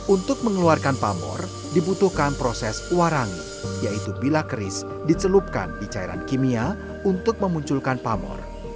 untuk mengeluarkan pamor dibutuhkan proses warangi yaitu bila keris dicelupkan di cairan kimia untuk memunculkan pamor